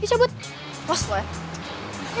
sederhkan di tempat berisik belas saja